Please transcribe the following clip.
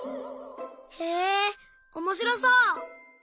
へえおもしろそう！